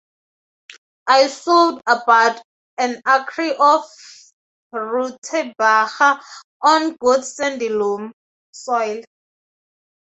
I sowed about an acre of rutabaga on good sandy loam soil.